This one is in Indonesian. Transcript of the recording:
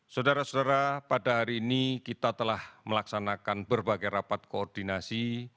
saudara saudara pada hari ini kita telah melaksanakan berbagai rapat koordinasi